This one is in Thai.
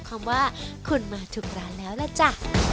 คำว่าคุณมาถึงร้านแล้วล่ะจ้ะ